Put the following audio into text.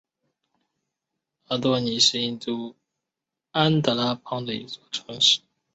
阿多尼是印度安得拉邦的一座城市。